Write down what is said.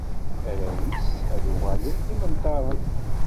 Arraw-is ad uɣalen d imenṭaren.